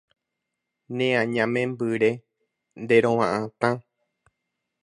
¡Ne añamembyre, nderova'atã!